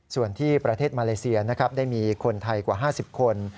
ส่วนที่ประเทศมาเลเซียนะครับได้มีคนไทยกว่า๕๐คน